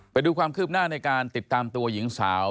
ไปดูความคืบหน้าในการติดตามตัวหญิงสาว